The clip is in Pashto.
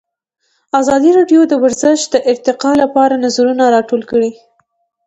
ازادي راډیو د ورزش د ارتقا لپاره نظرونه راټول کړي.